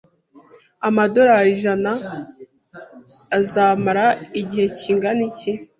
Amadolari ijana azomara igihe kingana iki?